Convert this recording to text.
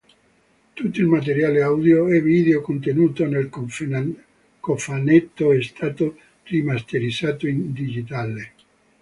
Tutto il materiale audio e video contenuto nel cofanetto è stato rimasterizzato in digitale.